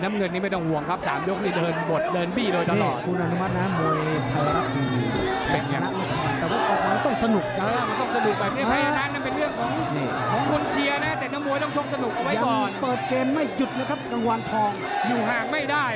ติดไหนแบบนี้ตลอดอ่ะกะวางทอง